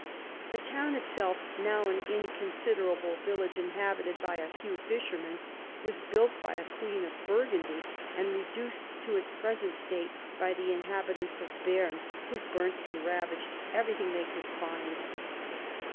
The town itself, now an inconsiderable vil lage inhabited by a few fishermen, was built by a Queen of Burgundy, and reduced to its present state by the inhabitants of Berne, who burnt and ravaged every thing they could find.